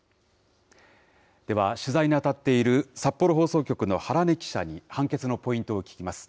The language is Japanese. では、取材に当たっている札幌放送局の原弥記者に判決のポイントを聞きます。